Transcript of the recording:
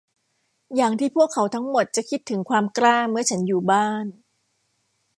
อย่างที่พวกเขาทั้งหมดจะคิดถึงความกล้าเมื่อฉันอยู่บ้าน